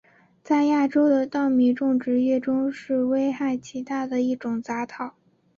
在亚洲的稻米种植业中是危害极大的一种杂草。